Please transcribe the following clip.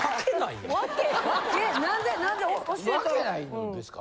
わけないんですか？